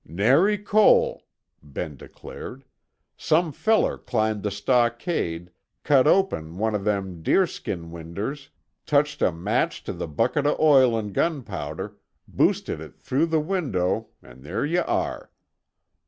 "Nary coal," Ben declared. "Some feller climbed the stockade, cut open one uh them deer skin winders, touched a match to a bucket uh oil an' gunpowder, boosted it through the window—an' there yuh are.